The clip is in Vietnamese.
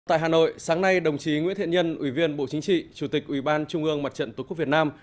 tại hà nội sáng nay đồng chí nguyễn thiện nhân ủy viên bộ chính trị chủ tịch ủy ban trung ương mặt trận tổ quốc việt nam